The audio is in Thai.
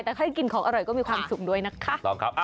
แต่ใครกินของอร่อยก็มีความสุขด้วยนะคะ